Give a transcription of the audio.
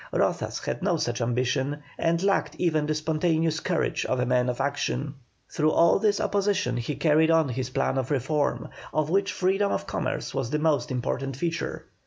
Rozas had no such ambition and lacked even the spontaneous courage of the man of action. Through all this opposition he carried on his plan of reform, of which freedom of commerce was the most important feature.